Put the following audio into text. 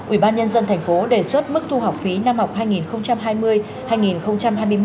ủy ban nhân dân thành phố đề xuất mức thu học phí năm học hai nghìn hai mươi hai nghìn hai mươi một